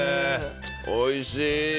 おいしい！